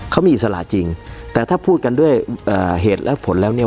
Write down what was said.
เขามีอิสระจริงแต่ถ้าพูดกันด้วยเหตุและผลแล้วเนี่ย